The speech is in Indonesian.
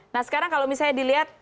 nah sekarang kalau misalnya dilihat